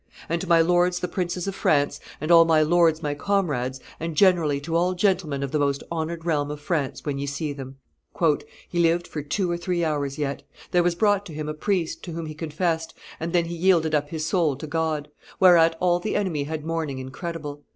And to my lords the princes of France, and all my lords my comrades, and generally to all gentlemen of the most honored realm of France when ye see them." [Illustration: The Death of Bayard 76] "He lived for two or three hours yet. There was brought to him a priest, to whom he confessed, and then he yielded up his soul to God; whereat all the enemy had mourning incredible.